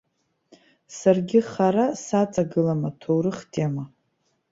Саргьы хара саҵагылам аҭоурых тема.